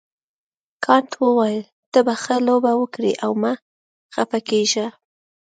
کانت وویل ته به ښه لوبه وکړې او مه خفه کیږه.